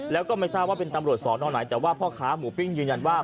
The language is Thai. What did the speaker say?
แล้วก็ไม่ทราบว่าเป็นตำรวจสอนอไหนแต่ว่าพ่อค้าหมูปิ้งยืนยันว่า